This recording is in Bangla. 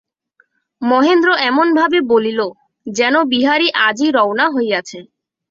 –মহেন্দ্র এমনভাবে বলিল, যেন বিহারী আজই রওনা হইয়াছে।